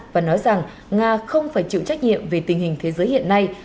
và nói rằng nga không phải chịu trách nhiệm về tình hình thế giới hiện nay